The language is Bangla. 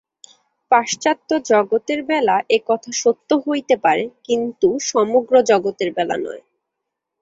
পাশ্চাত্য-জগতের বেলা এ-কথা সত্য হইতে পারে, কিন্তু সমগ্র জগতের বেলা নয়।